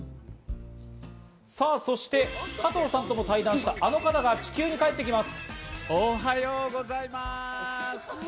さぁ、そして加藤さんとも対談したあの方が地球に帰ってきます。